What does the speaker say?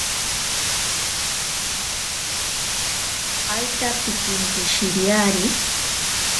Paita pinkinkishiriari.